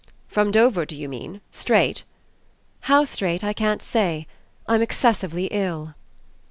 "From Dover do you mean, straight?" "How straight I can't say. I'm excessively ill."